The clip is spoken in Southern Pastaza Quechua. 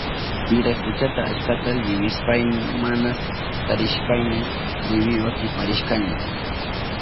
Wirakuchata achkata liwishpayni mana tarishpayni liwiwa kiparishkani.